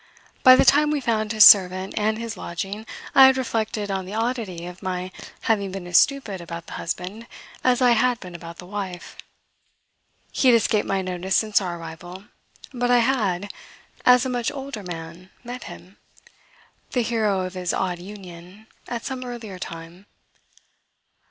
By the time we found his servant and his lodging I had reflected on the oddity of my having been as stupid about the husband as I had been about the wife. He had escaped my notice since our arrival, but I had, as a much older man, met him the hero of his odd union at some earlier time.